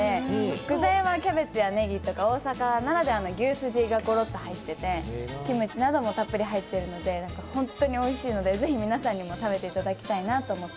具材はキャベツやねぎとか大阪ならではの牛すじがゴロっと入ってて、キムチなどもたっぷり入っているので、本当においしいのでぜひ皆さんにも食べていただきたいと思って。